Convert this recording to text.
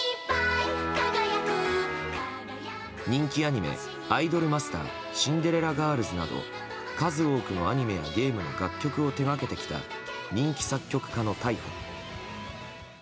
人気アニメ「アイドルマスターシンデレラガールズ」など数多くのアニメやゲームの楽曲を手がけてきた人気作曲家の逮捕。